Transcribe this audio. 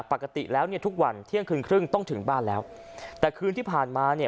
ปกติแล้วเนี่ยทุกวันเที่ยงคืนครึ่งต้องถึงบ้านแล้วแต่คืนที่ผ่านมาเนี่ย